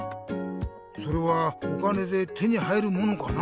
それはお金で手に入るものかな？